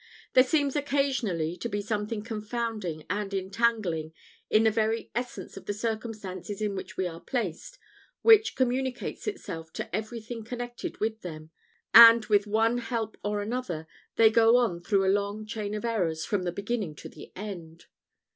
There seems occasionally to be something confounding and entangling in the very essence of the circumstances in which we are placed, which communicates itself to everything connected with them; and, with one help or another, they go on through a long chain of errors from the beginning to the end.